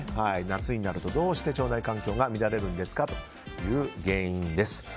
夏になるとどうして腸内環境が乱れるのかという原因です。